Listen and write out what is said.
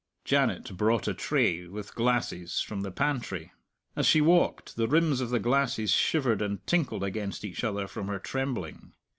Janet brought a tray, with glasses, from the pantry. As she walked, the rims of the glasses shivered and tinkled against each other, from her trembling.